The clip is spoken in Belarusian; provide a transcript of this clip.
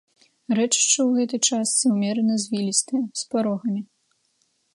Рэчышча ў гэтай частцы ўмерана звілістае, з парогамі.